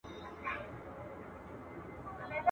د کرونا ویري نړۍ اخیستې.